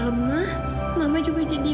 kava itu seperti baterainya mama